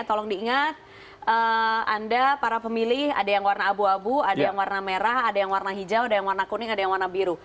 tolong diingat anda para pemilih ada yang warna abu abu ada yang warna merah ada yang warna hijau ada yang warna kuning ada yang warna biru